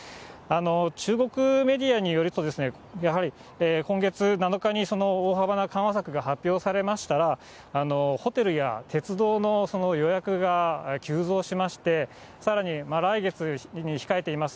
中国メディアによると、やはり今月７日に大幅な緩和策が発表されましたら、ホテルや鉄道の予約が急増しまして、さらに来月に控えています